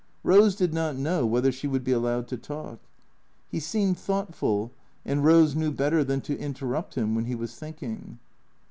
Rose did not know whether she would be allowed to talk. He seemed thoughtful, and Eose knew better than to interrupt him when he was think ing.